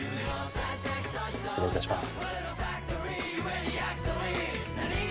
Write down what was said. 失礼いたします。